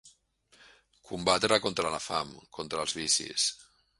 Combatre contra la fam, contra els vicis.